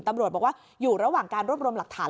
ตำรวจบอกว่าอยู่ระหว่างการรวบรวมหลักฐาน